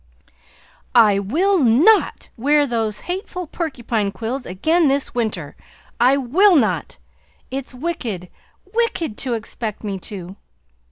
"I will NOT wear those hateful porcupine quills again this winter! I will not! It's wicked, WICKED to expect me to!